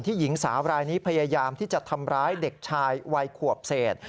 หญิงสาวรายนี้พยายามที่จะทำร้ายเด็กชายวัยขวบเศษ